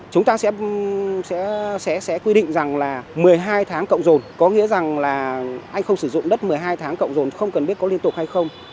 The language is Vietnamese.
chúng ta sẽ quy định rằng là một mươi hai tháng cộng rồi có nghĩa rằng là anh không sử dụng đất một mươi hai tháng cộng rồi không cần biết có liên tục hay không